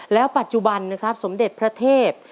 แล้วปัจจุบันนะครับสมเด็จพระเทพ